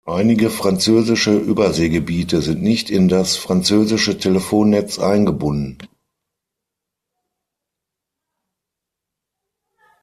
Einige französische Überseegebiete sind nicht in das französische Telefonnetz eingebunden.